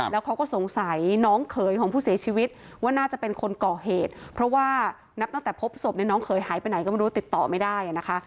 แล้วเขาก็สงสัยน้องเขยของผู้เสียชีวิตว่าน่าจะเป็นคนก่อเหตุเพราะว่านับตั้งแต่พบศพเนี่ยน้องเขยหายไปไหนก็ไม่รู้ติดต่อไม่ได้นะคะ